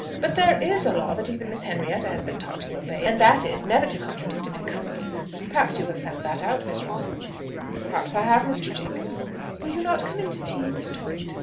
But there is a law that even Miss Henrietta has been taught to obey; and that is, never to contradict him in company. Perhaps you have found that out, Miss Rosalind?" "Perhaps I have, Mr. Jacob." "Will you not come in to tea, Miss Torrington?"